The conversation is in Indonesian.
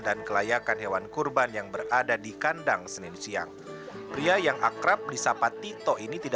dan kelayakan hewan kurban yang berada di kandang senin siang pria yang akrab di sapati toh ini